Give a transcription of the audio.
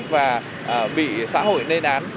và bị xã hội nê đán